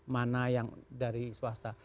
mana yang dari swasta